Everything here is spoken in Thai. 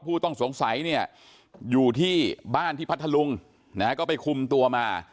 ผู้ต้องสงสัยเนี่ยอยู่ที่บ้านที่พัทธลุงนะฮะก็ไปคุมตัวมา